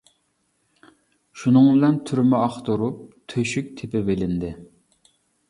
شۇنىڭ بىلەن تۈرمە ئاختۇرۇپ، تۆشۈك تېپىۋېلىندى.